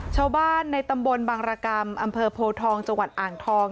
ชาวบ้านในตำบลบังรกรรมอำเภอโพทองจังหวัดอ่างทอง